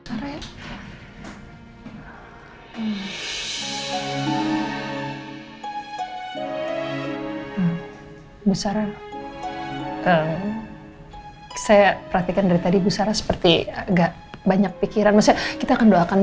besar besar saya perhatikan dari tadi busara seperti enggak banyak pikiran kita akan doakan